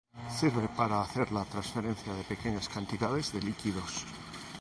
Sirve para hacer la transferencia de pequeñas cantidades de líquidos.